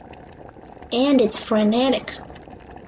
And it’s frenetic.